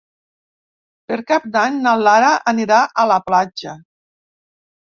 Per Cap d'Any na Lara anirà a la platja.